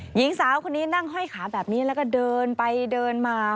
หญิงสาวคนนี้นั่งห้อยขาแบบนี้แล้วก็เดินไปเดินมา